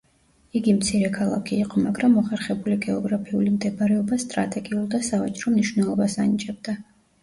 იგი მცირე ქალაქი იყო, მაგრამ მოხერხებული გეოგრაფიული მდებარეობა სტრატეგიულ და სავაჭრო მნიშვნელობას ანიჭებდა.